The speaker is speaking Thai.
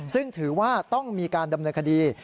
ซึ่งถือว่าต้องมีการดำเนินคดี